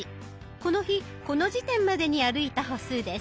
この日この時点までに歩いた歩数です。